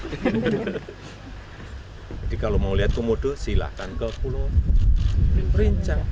kalau mau lihat komodo silahkan ke pulau rinca